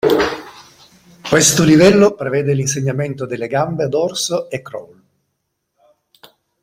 Questo livello prevede l'insegnamento delle gambe a dorso e crawl.